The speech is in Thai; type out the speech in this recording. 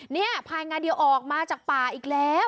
นี่ภายงานเดียวออกมาจากป่าอีกแล้ว